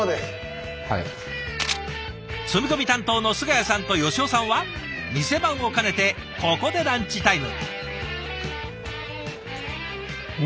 積み込み担当の菅谷さんと吉尾さんは店番を兼ねてここでランチタイム。